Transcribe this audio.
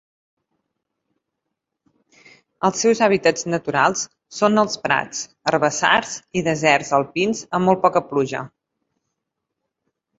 Els seus hàbitats naturals són els prats, herbassars i deserts alpins amb molt poca pluja.